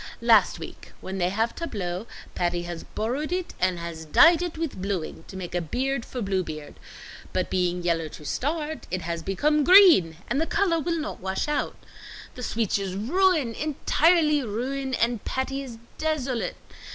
Last week when they have tableaux, Patty has borrowed it and has dyed it with blueing to make a beard for Bluebeard. But being yellow to start, it has become green, and the color will not wash out. The sweetch is ruin entirely ruin and Patty is desolate.